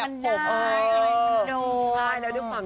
จัดระเบียบผม